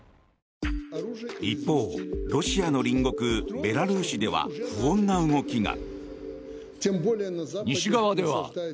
一方、ロシアの隣国ベラルーシでは不穏な動きが。